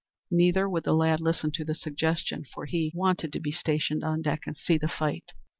Neither would the lad listen to the suggestion; for he "wanted to be stationed on deck and see the fight."